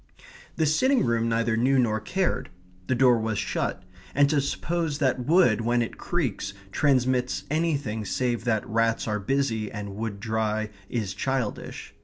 The sitting room neither knew nor cared. The door was shut; and to suppose that wood, when it creaks, transmits anything save that rats are busy and wood dry is childish.